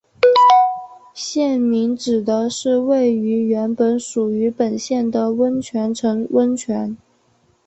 县名指的是位于原来属于本县的温泉城的温泉。